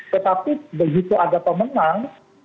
tetapi begitu ada pemenang